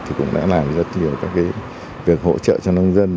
thì cũng đã làm rất nhiều các việc hỗ trợ cho nông dân